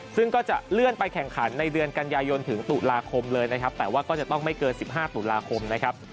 ซึ่งก็จะเลื่อนไปแข่งขันในเดือนกันยายนถึงตุลาคมเลยนะครับแต่ว่าก็จะต้องไม่เกิน๑๕ตุลาคมนะครับ